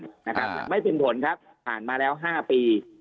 แต่ไม่เป็นผลครับผ่านมาแล้ว๕ปี